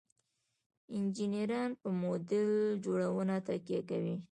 انجینران په موډل جوړونه تکیه کوي.